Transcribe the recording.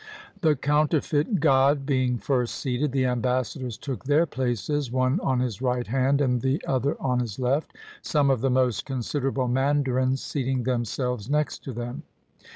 The coun terfeit god being first seated, the ambassadors took their places, one on his right hand, and the other on his left, some of the most considerable mandarins seating them selves next to them.